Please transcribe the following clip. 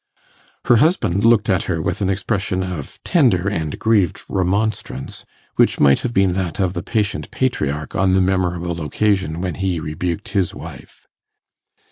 Her husband looked at her with an expression of tender and grieved remonstrance, which might have been that of the patient patriarch on the memorable occasion when he rebuked his wife.